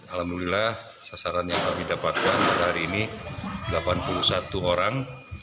alhamdulillah sasaran yang kami dapatkan pada hari ini delapan puluh satu orang